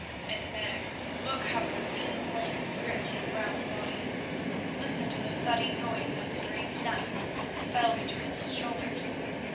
And Meg—look how her lean limbs gripped him round the body. Listen to the thudding noise as the great knife fell between his shoulders.